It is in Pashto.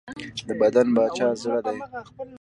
د بدن باچا زړه دی.